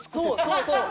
そうそう。